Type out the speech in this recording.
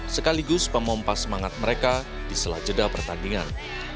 sekaligus pemompas semangat mereka di selajeda pertandingan